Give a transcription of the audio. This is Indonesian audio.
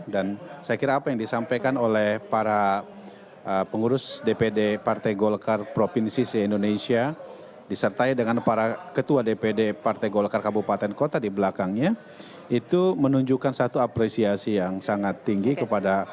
dan saya kira apa yang disampaikan oleh para pengurus dpd partai golkar provinsi indonesia disertai dengan para ketua dpd partai golkar kabupaten kota di belakangnya itu menunjukkan satu apresiasi yang sangat tinggi kepada